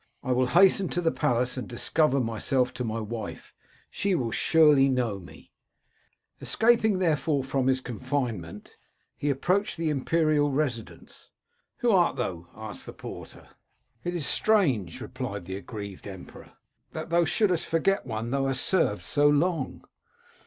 I will hasten to the palace and discover myself to my wife, — she will surely know me.' " Escaping therefore from his confinement, he 249 Curiosities of Olden Times approached the imperial residence. * Who art thou ?' asked the porter. "*It is strange/ replied the aggrieved emperor, *that thou shouldest forget one thou hast served so long.'